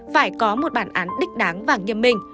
phải có một bản án đích đáng và nghiêm minh